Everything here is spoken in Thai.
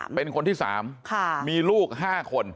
เป็นคนที่๓มีลูก๕คน